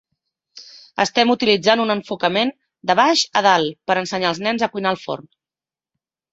Estem utilitzant un enfocament de baix a dalt per ensenyar als nens a cuinar al forn.